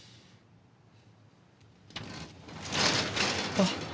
あっ。